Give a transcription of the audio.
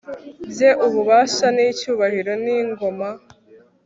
bye ububasha n'icyubahiro, ni ingoma